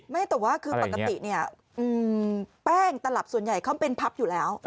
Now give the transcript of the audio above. ไม่แต่ว่าคือปกติเนี่ยแป้งตลับส่วนใหญ่เขาเป็นพับอยู่แล้ว